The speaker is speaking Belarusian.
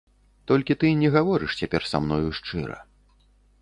Толькі ты не гаворыш цяпер са мною шчыра.